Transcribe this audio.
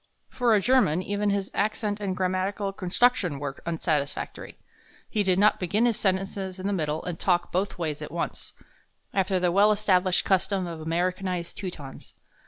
For a German, even his accent and grammatical construction were unsatisfactory. He did not begin his sentences in the middle and talk both ways at once, after the well established custom of Americanized Teutons.